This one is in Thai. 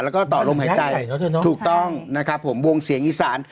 แล้วก็ต่อลมหายใจถูกต้องนะครับผมวงเสียงอีสาน